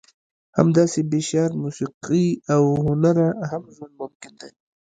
همداسې بې شعر، موسیقي او هنره هم ژوند ممکن دی.